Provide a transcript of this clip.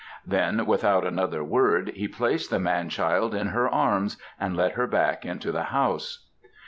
Then without another word he placed the man child in her arms and led her back into the house.